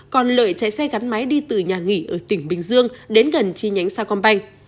còn lợi chạy xe gắn máy đi từ nhà nghỉ ở tỉnh bình dương đến gần chi nhánh sao công banh